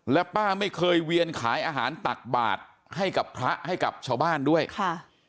และป้าไม่เคยเวียนขายอาหารตักบาทให้กับพระให้กับชาวบ้านด้วยค่ะ